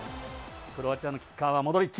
クロアチアのキッカーはモドリッチ。